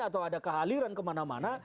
atau ada kehaliran kemana mana